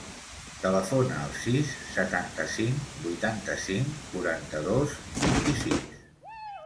Telefona al sis, setanta-cinc, vuitanta-cinc, quaranta-dos, vint-i-sis.